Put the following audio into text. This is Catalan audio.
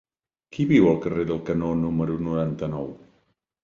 Qui viu al carrer del Canó número noranta-nou?